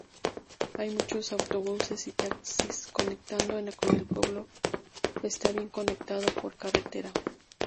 Hay muchos autobuses y taxis conectando con El pueblo está bien conectado por carretera.